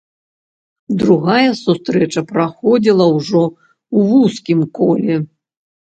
Другая сустрэча праходзіла ўжо ў вузкім коле.